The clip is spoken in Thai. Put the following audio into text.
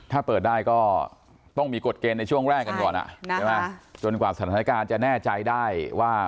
ถ้าเปิดได้ก็ต้องมีกฎเกณฑ์ในช่วงแรกกันก่อนใช่ไหมจนกว่าสถานการณ์จะแน่ใจได้ว่า